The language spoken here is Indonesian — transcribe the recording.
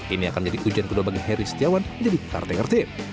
ini akan jadi ujian penuh bagi heri setiawan menjadi kartekar tim